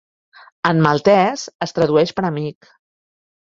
En maltès es tradueix per "amic".